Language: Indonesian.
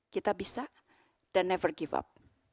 kita bisa dan tidak pernah menyerah